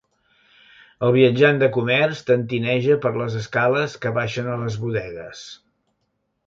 El viatjant de comerç tentineja per les escales que baixen a les bodegues.